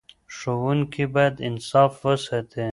ښوونکي باید انصاف وساتي.